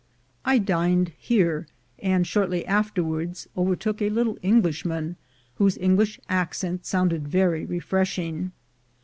I dined here, and shortly afterwards overtook a little Englishman, whose English accent sounded very re freshing.